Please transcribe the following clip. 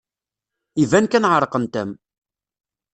Iban kan ɛerqent-am.